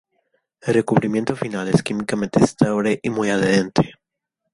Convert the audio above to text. El recubrimiento final es químicamente estable y muy adherente.